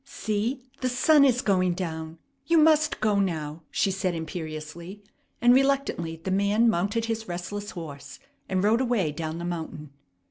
"See, the sun is going down! You must go now," she said imperiously; and reluctantly the man mounted his restless horse, and rode away down the mountain.